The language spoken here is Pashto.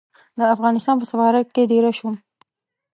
د افغانستان په سفارت کې دېره شوم.